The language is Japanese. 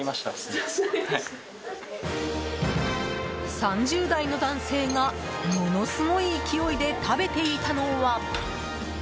３０代の男性がものすごい勢いで食べていたのは。